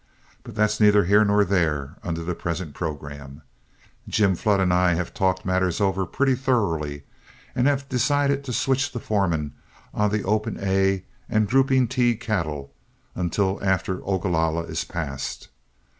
But that's neither here nor there under the present programme. Jim Flood and I have talked matters over pretty thoroughly, and have decided to switch the foremen on the 'Open A' and 'Drooping T' cattle until after Ogalalla is passed.